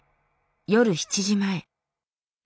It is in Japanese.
夜７時前。